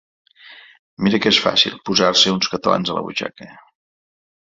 Mira que és fàcil, posar-se uns catalans a la butxaca!